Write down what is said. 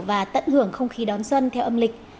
và tận hưởng không khí đón xuân theo âm lịch